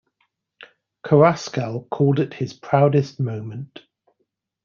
Carrasquel called it his proudest moment.